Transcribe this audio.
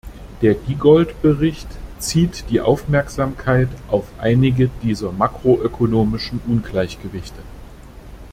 Der Giegold-Bericht zieht die Aufmerksamkeit auf einige dieser makroökonomischen Ungleichgewichte.